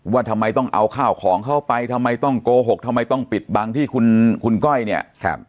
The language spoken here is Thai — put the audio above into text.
ว่าทำไมต้องเอาข้าวของเข้าไปทำไมต้องโกหกทำไมต้องปิดบังที่คุณคุณก้อยเนี่ย